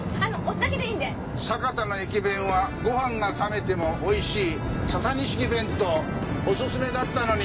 酒田の駅弁はご飯が冷めてもおいしい「ササニシキ弁当」オススメだったのに。